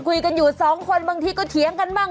คุยกันอยู่สองคนบางทีก็เถียงกันบ้าง